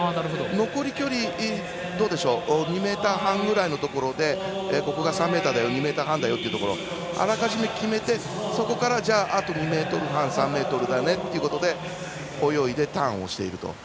残り距離２ｍ半くらいのところでここが３ｍだよ２ｍ半だよというところをあらかじめ決めてそこからあと２ｍ半３ｍだよねというところで泳いでターンしていると。